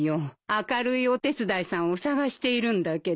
明るいお手伝いさんを探しているんだけど。